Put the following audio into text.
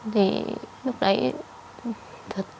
thì lúc đấy thật